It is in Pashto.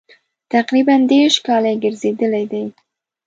تقریبا دېرش کاله یې ګرځېدلي دي.